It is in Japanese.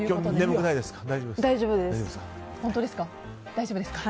大丈夫ですか。